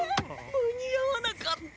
間に合わなかった！